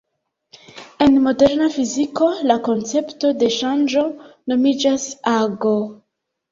En moderna fiziko, la koncepto de ŝanĝo nomiĝas ago.